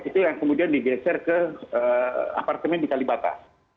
itu yang kemudian digeser ke apartemen di kalibata